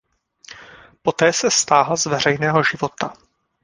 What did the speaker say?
Poté se stáhl z veřejného života.